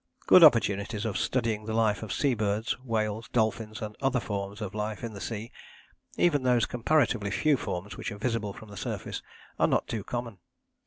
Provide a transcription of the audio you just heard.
Good opportunities of studying the life of sea birds, whales, dolphins and other forms of life in the sea, even those comparatively few forms which are visible from the surface, are not too common.